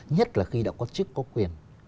nhất là khi đã có chức có quyền